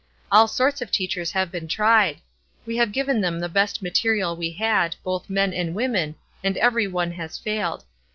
All sorts of teachers have been tried. We have given them the best material we had, both men and women, and every one has failed.